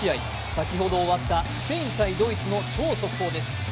先ほど終わったスペインとドイツの超速報です。